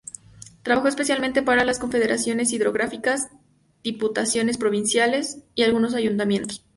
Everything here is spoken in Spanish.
Trabajó especialmente para las confederaciones hidrográficas, diputaciones provinciales y algunos ayuntamientos.